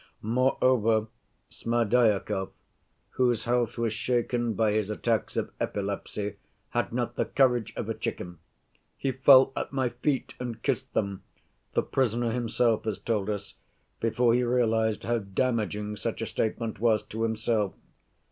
"Moreover, Smerdyakov, whose health was shaken by his attacks of epilepsy, had not the courage of a chicken. 'He fell at my feet and kissed them,' the prisoner himself has told us, before he realized how damaging such a statement was to himself.